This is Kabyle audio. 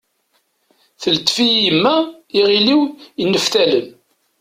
Teltef-iyi yemma iɣil-iw yenneftalen.